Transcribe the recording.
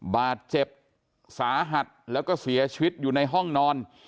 บาดเจ็บสาหัสแล้วก็เสียชีวิตอยู่ในห้องนอน